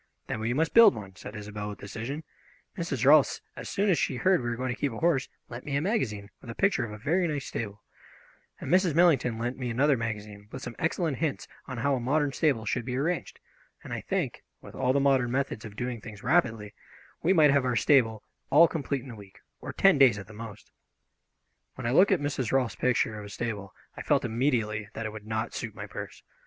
"Then we must build one," said Isobel with decision. "Mrs. Rolfs, as soon as she heard we were going to keep a horse, lent me a magazine with a picture of a very nice stable, and Mrs. Millington lent me another magazine with some excellent hints on how a modern stable should be arranged, and I think, with all the modern methods of doing things rapidly, we might have our stable all complete in a week, or ten days at the most." [Illustration: 61] When I looked at Mrs. Rolfs's picture of a stable I felt immediately that it would not suit my purse.